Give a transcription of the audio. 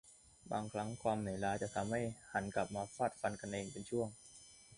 บางครั้งความเหนื่อยล้าจะทำให้หันกลับมาฟาดฟันกันเองเป็นช่วง